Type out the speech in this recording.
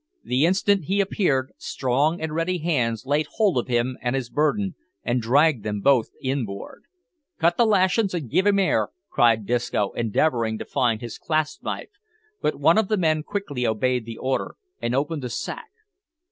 The instant he appeared, strong and ready hands laid hold of him and his burden, and dragged them both inboard. "Cut the lashin's and give him air," cried Disco, endeavouring to find his clasp knife; but one of the men quickly obeyed the order, and opened the sack.